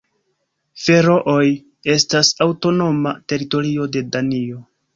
Ferooj estas aŭtonoma teritorio de Danio.